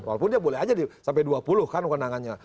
walaupun dia boleh aja sampai dua puluh kan kewenangannya